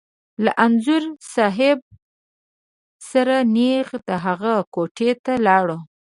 له انځور صاحب سره نېغ د هغه کوټې ته لاړو.